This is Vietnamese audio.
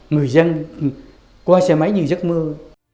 người dân qua xe máy như giấc mơ